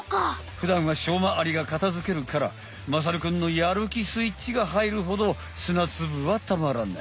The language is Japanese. ふだんはしょうまアリが片づけるからまさるくんのやるきスイッチがはいるほど砂つぶはたまらない。